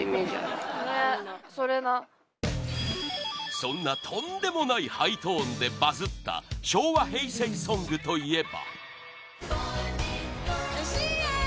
そんなとんでもないハイトーンでバズった昭和平成ソングといえば